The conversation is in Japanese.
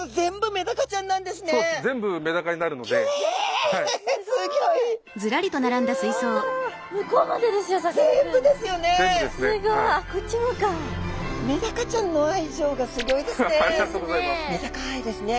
メダカ愛ですね。